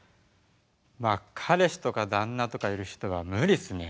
まあ彼氏とか旦那とかいる人は無理っすね。